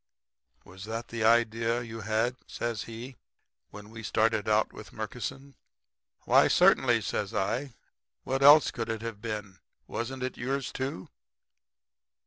"'Was that the idea you had,' says he, 'when we started out with Murkison?' "'Why, certainly,' says I. 'What else could it have been? Wasn't it yours, too?'